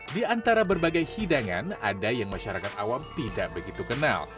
di antara berbagai hidangan ada yang masyarakat awam tidak begitu kenal